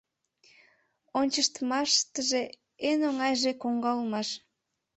Ончыштмаштыже эн оҥайже коҥга улмаш.